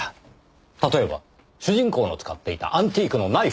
例えば主人公の使っていたアンティークのナイフ！